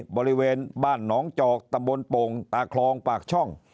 บริเวณบ้านหนองจอกตำบลโป่งตาคลองปากช่อง